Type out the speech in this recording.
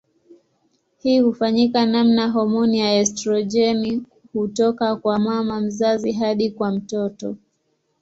Hii hufanyika maana homoni ya estrojeni hutoka kwa mama mzazi hadi kwa mtoto.